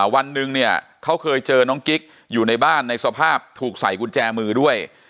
วันหนึ่งเนี่ยเขาเคยเจอน้องกิ๊กอยู่ในบ้านในสภาพถูกใส่กุญแจมือด้วย